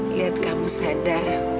lihat kamu sedar